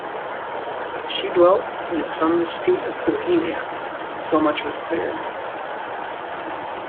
She dwelt in some street of Bohemia; so much was clear.